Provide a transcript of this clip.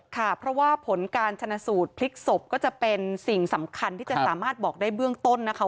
ค่ะเพราะว่าผลการชนะสูตรพลิกศพก็จะเป็นสิ่งสำคัญที่จะสามารถบอกได้เบื้องต้นนะคะ